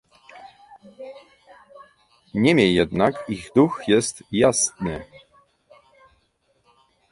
Niemniej jednak ich duch jest jasny